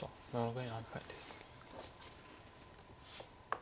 残り７回です。